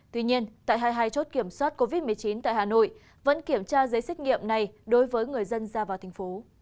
tuy nhiên tại hai mươi hai chốt kiểm soát covid một mươi chín tại hà nội vẫn kiểm tra giấy xét nghiệm này đối với người dân ra vào thành phố